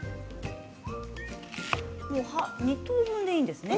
２等分でいいんですね。